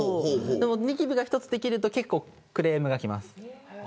にきびが１つできると結構クレームがきます。